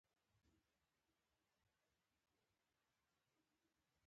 خوړل د بوره خوږوالی لري